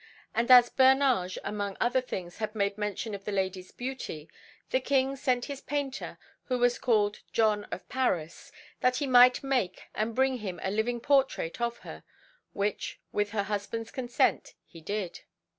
And as Bernage among other things had made mention of the lady's beauty, the King sent his painter, who was called John of Paris, (3) that he might make and bring him a living portrait of her, which, with her husband's consent, he did.